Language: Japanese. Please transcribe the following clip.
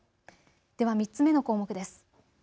では３つ目の項目です。